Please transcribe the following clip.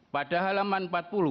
pada halaman empat puluh